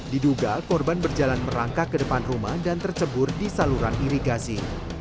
diduga korban berjalan merangkak ke depan rumah dan tercebur di saluran irigasi